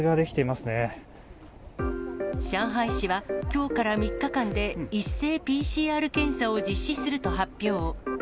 上海市は、きょうから３日間で、一斉ＰＣＲ検査を実施すると発表。